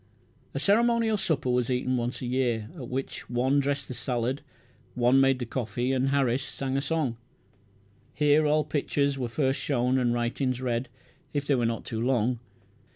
A ceremonial supper was eaten once a year, at which one dressed the salad, one made the coffee, and Harris sang a song. Here all pictures were first shown, and writings read if they were not too long.